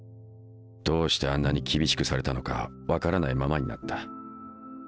どうしてあんなに厳しくされたのか分からないままになった。